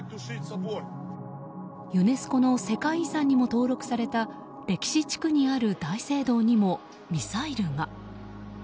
ユネスコの世界遺産にも登録された歴史地区にある大聖堂にもミサイルが。